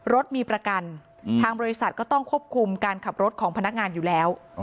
รถมีประกันทางบริษัทก็ต้องควบคุมการขับรถของพนักงานอยู่แล้ว